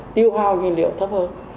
điều hào nhiên liệu thấp hơn